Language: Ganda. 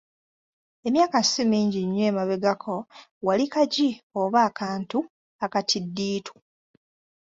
Emyaka si mingi nnyo emabegako wali kagi oba akantu akatiddiitu.